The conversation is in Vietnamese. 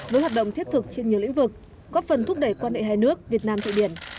với hoạt động thiết thực trên nhiều lĩnh vực góp phần thúc đẩy quan hệ hai nước việt nam thụy điển